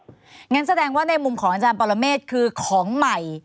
งั้นแสดงว่าในมุมของอาจารย์ปรเมฆคือของใหม่